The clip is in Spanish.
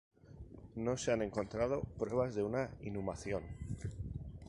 No se han encontrado pruebas de una inhumación.